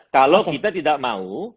kalau kita tidak mau